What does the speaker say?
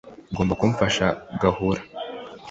ugomba kumfasha ngahura